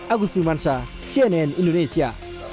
agus filmansa cnn indonesia